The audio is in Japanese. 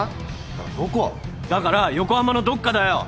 だから横浜のどっかだよ。